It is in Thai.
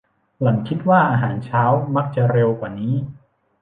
หล่อนคิดว่าอาหารเช้ามักจะเร็วกว่านี้